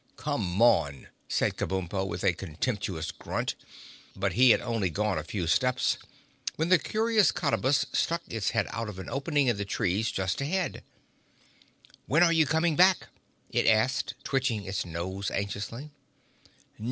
"Come on," cried Kabumpo with a contemptuous grunt, but he had only gone a few steps when the Curious Cottabus stuck its head out of an opening in the trees just ahead. "When are you coming back?" it asked, twitching its nose anxiously.